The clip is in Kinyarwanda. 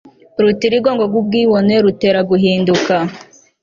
urutirigongo rwubwibone rutera guhinduka